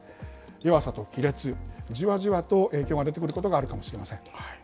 弱さと亀裂、じわじわと影響が出てくることがあるかもしれません。